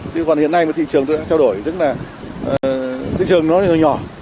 thì còn hiện nay mà thị trường tôi đã trao đổi tức là thị trường nó nhỏ